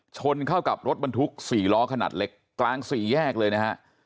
ชนเข้ากับรถบรรทุก๔ล้อขนาดเล็กกลางสี่แยกเลยนะฮะ